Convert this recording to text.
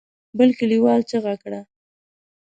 بل کليوال چيغه کړه.